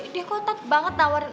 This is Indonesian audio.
dia kotak banget tawarin aku